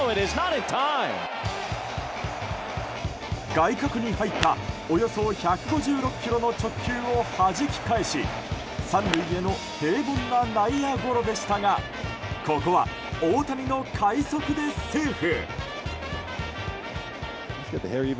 外角に入ったおよそ１５６キロの直球をはじき返し３塁への平凡な内野ゴロでしたがここは、大谷の快足でセーフ！